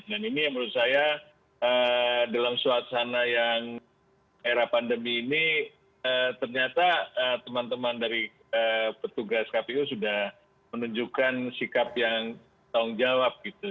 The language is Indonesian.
dan ini menurut saya dalam suasana yang era pandemi ini ternyata teman teman dari petugas kpu sudah menunjukkan sikap yang tanggung jawab gitu